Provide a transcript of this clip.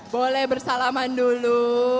boleh bersalaman dulu